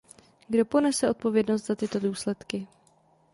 Kdo ponese odpovědnost za tyto důsledky?